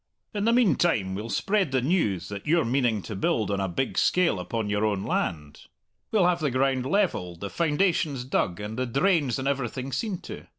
In the meantime we'll spread the news that you're meaning to build on a big scale upon your own land; we'll have the ground levelled, the foundations dug, and the drains and everything seen to.